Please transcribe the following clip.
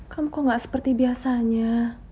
kamu kok nggak seperti biasanya